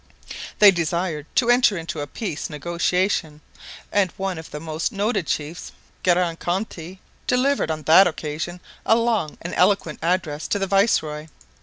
They desired to enter into a peace negotiation, and one of the most noted chiefs, Garakonthie, delivered on that occasion a long and eloquent address to the viceroy.